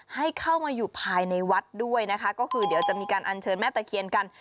ให้เข้ามาอยู่ภายในวัดด้วยนะคะก็คือเดี๋ยวจะมีการอัญเชิญแม่ตะเคียนกัน